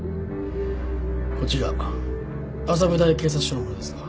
こちら麻布台警察署の者ですが